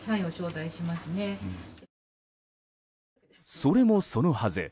それもそのはず。